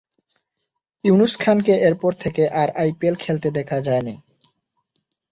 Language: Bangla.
ইউনুস খানকে এরপর থেকে আর আইপিএল খেলতে দেখা যায়নি।